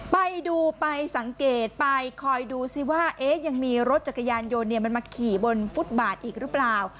ไปดูไปสังเกตไปคอยดูสิว่ายังมีรถจักรยานยนต์มันมาขี่บนฟุตบาทอีกหรือเปล่า